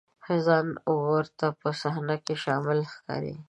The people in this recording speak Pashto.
ځان ورته په صحنه کې شامل ښکاري.